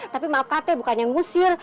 tapi maaf kata bukannya ngusir